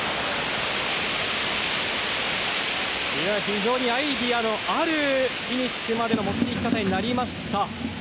非常にアイデアのあるフィニッシュまでの持っていき方になりました。